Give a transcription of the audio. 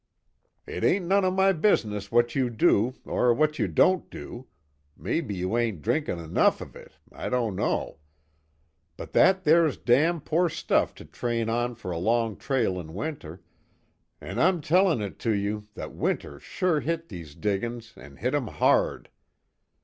It ain't none of my business what you do, or what you don't do maybe you ain't drinkin' enough of it, I don't know. But that there's damn poor stuff to train on for a long trail in winter an' I'm tellin' it to you that winter's sure hit these diggin's an' hit 'em hard.